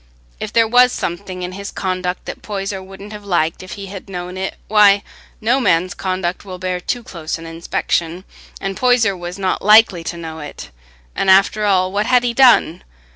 If there was something in his conduct that Poyser wouldn't have liked if he had known it, why, no man's conduct will bear too close an inspection; and Poyser was not likely to know it; and, after all, what had he done?